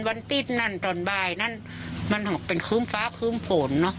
วันติดนั่นตอนบ่ายนั้นมันเป็นคื้มฟ้าคึ้มฝนเนอะ